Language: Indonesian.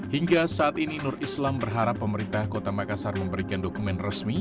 hingga saat ini nur islam berharap pemerintah kota makassar memberikan dokumen resmi